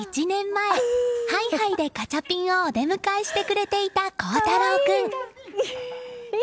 １年前、ハイハイでガチャピンをお出迎えしてくれていた幸太郎君。